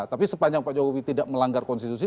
tapi sepanjang pak jokowi tidak melanggar konstitusi